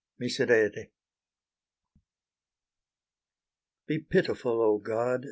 MISERERE Be pitiful, oh God!